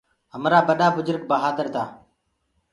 همرآ ڀڏآ بُجرگ بهآدر تآ۔